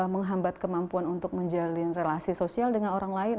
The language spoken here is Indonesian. menghambat kemampuan untuk menjalin relasi sosial dengan orang lain